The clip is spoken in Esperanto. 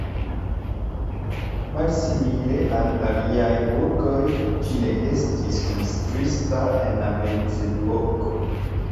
Malsimile al aliaj burgoj ĝi ne estis konstruita en la mezepoko.